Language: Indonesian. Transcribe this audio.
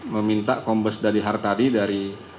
meminta kombes dadi hartadi dari